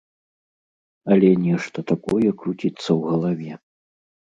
Але нешта такое круціцца ў галаве.